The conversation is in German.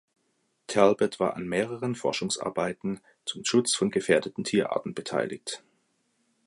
Talbot war an mehreren Forschungsarbeiten zum Schutz von gefährdeten Tierarten beteiligt.